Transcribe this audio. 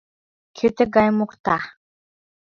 — Кӧ тыгайым мокта?